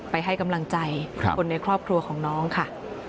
ให้กำลังใจคนในครอบครัวของน้องค่ะ